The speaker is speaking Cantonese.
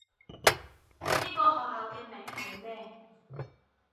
呢個學校嘅名係咩？